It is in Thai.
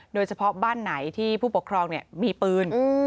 โดยเฉพาะบ้านไหนที่ผู้ปกครองมีปืน